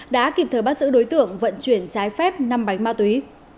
đã kịp thời bắt giữ đối tượng vận chuyển trái phép năm bánh ma túy